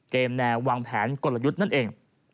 แนววางแผนกลยุทธ์นั่นเอง